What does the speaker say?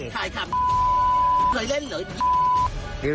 พี่ถ่ายทำหรือยังเหรอ